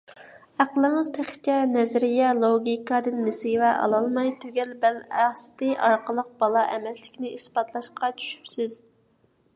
ئەقلىڭىز تېخىچە نەزىرىيە، لوگىكادىن نېسىۋە ئالالماي، تۈگەل بەل ئاستى ئارقىلىق بالا ئەمەسلىكنى ئىسپاتلاشقا چۈشۈپسىز.